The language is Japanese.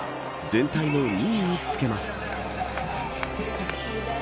全体の２位につけます。